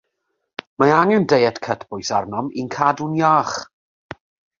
Mae angen diet cytbwys arnom i'n cadw'n iach